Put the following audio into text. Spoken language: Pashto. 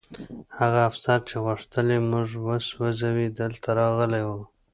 هغه افسر چې غوښتل یې موږ وسوځوي دلته راغلی و